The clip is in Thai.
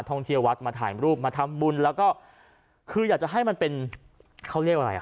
งเที่ยววัดมาถ่ายรูปมาทำบุญแล้วก็คืออยากจะให้มันเป็นเขาเรียกอะไรอ่ะ